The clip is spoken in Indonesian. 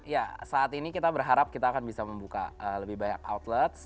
ya saat ini kita berharap kita akan bisa membuka lebih banyak outlets